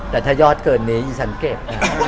แต่ถ้ายอดเกินนี้ดิฉันเก็บ